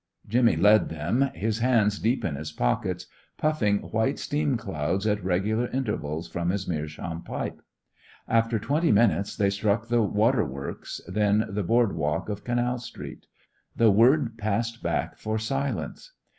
Jimmy led them, his hands deep in his pockets, puffing white steam clouds at regular intervals from his "meerschaum" pipe. After twenty minutes they struck the Water Works, then the board walk of Canal Street. The word passed back for silence.